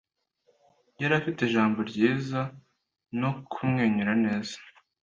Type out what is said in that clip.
Yari afite ijambo ryiza no kumwenyura neza.